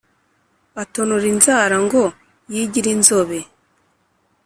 Atonora inzara ngo yigire inzobe